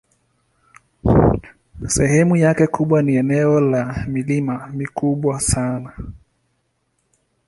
Sehemu yake kubwa ni eneo la milima mikubwa sana.